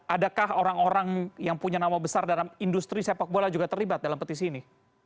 adakah orang orang yang punya nama besar dalam industri sepak bola juga terlibat dalam petisi ini